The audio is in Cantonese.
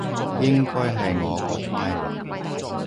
應該係我個乖女